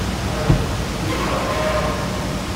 از بودلر آغاز شد